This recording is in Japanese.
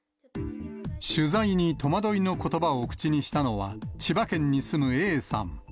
取材に戸惑いのことばを口にしたのは、千葉県に住むＡさん。